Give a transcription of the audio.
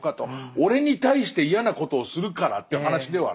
俺に対して嫌なことをするからっていう話ではなくて。